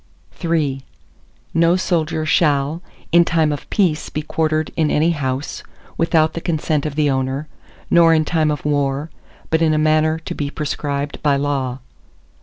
ARTICLE III No soldier shall, in time of peace, be quartered in any house, without the consent of the owner, nor in time of war, but in a manner to be prescribed by law.